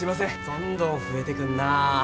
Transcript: どんどん増えてくんなぁ。